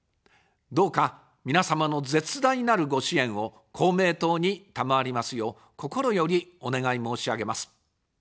どうか皆様の絶大なるご支援を公明党に賜りますよう、心よりお願い申し上げます。